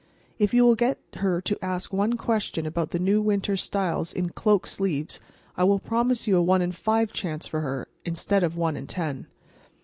If you will get her to ask one question about the new winter styles in cloak sleeves I will promise you a one in five chance for her, instead of one in ten."